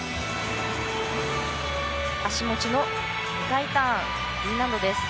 足持ちの２回ターンＤ難度です。